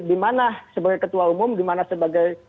dimana sebagai ketua umum dimana sebagai